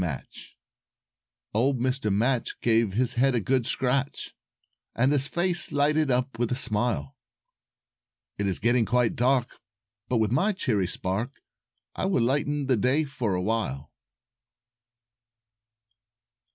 MATCH Old Mr. Match gave his head a good scratch, And his face lighted up with a smile; "It is getting quite dark, but with my cheery spark I will lengthen the day for awhile."